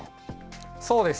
そうです。